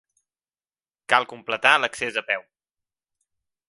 Cal completar l'accés a peu.